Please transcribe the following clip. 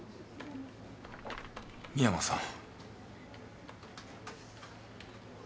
深山さん。